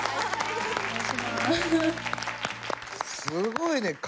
すごいね。